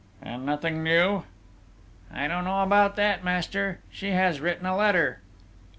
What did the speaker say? "And nothing new?..." "I don't know about that, master: she has written a letter...."